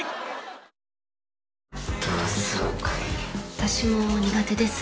私も苦手です。